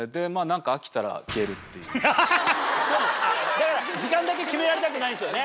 だから時間だけ決められたくないんですよね。